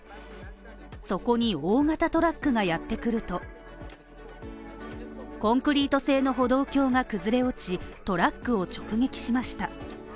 そこにまたトラックがやってくると、コンクリート製の歩道橋が崩れ落ち、トラックを直撃しました。